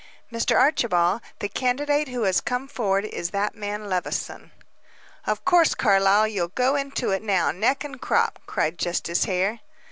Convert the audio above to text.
"Mr. Archibald, the candidate who has come forward, is that man Levison." "Of course, Carlyle, you'll go into it now, neck and crop," cried Justice Hare.